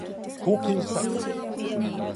貢献したい